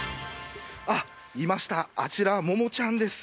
いました、あちら、モモちゃんです。